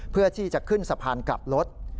เพื่อที่จะขึ้นสะพานกลับรถ